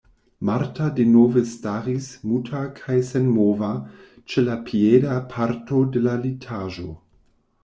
Marta denove staris muta kaj senmova ĉe la pieda parto de la litaĵo.